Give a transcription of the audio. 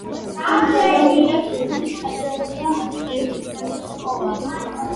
ფუნქციონირებს ხუთი საჯარო და ერთი კერძო სკოლა.